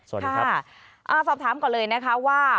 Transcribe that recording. สวัสดีครับสอบถามก่อนเลยนะคะว่า